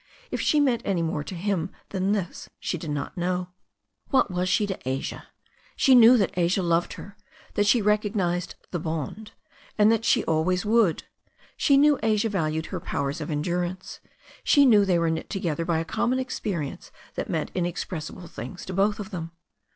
If she meant any more to him than this she did not know. What was she to Asia? She knew that Asia loved her; that she recognized "the bond," and that she always would. She knew Asia valued her powers of endurance. She knew they were knit together by a common experience that meant inexpressible things to both of them.